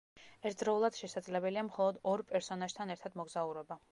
ერთდროულად შესაძლებელია მხოლოდ ორ პერსონაჟთან ერთად მოგზაურობა.